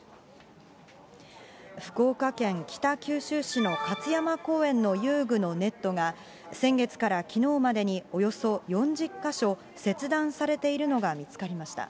福岡県北九州市のかつやま公園の遊具のネットが、先月からきのうまでに、およそ４０か所切断されているのが見つかりました。